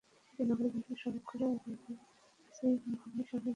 এটি নগরের বিভিন্ন সড়ক ঘুরে আবার নাসিমন ভবনের সামনে গিয়ে শেষ হয়।